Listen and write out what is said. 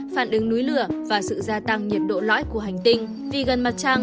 phản ứng núi lửa và sự gia tăng nhiệt độ lõi của hành tinh